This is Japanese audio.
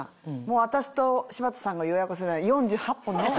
私と柴田さんが予約するので４８本のみ。